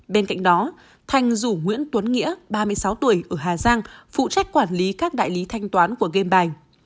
bên cạnh đó thành rủ nguyễn tuấn nghĩa ba mươi sáu tuổi ở hà giang phụ trách quản lý các đại lý thanh toán của game bài